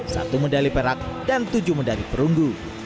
satu medali perak dan tujuh medali perunggu